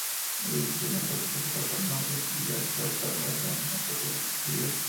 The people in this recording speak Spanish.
Ellos decidieron bautizarse bajo el nombre de Grasshopper, basándose en su propia agilidad.